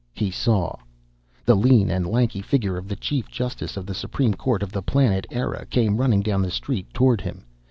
He saw. The lean and lanky figure of the chief justice of the supreme court of the Planet Eire came running down the street toward him.